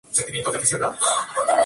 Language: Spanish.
No posee barba facial.